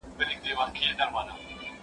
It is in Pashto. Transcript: موږ به سبا یو نوی ویډیو کلپ خپور کړو.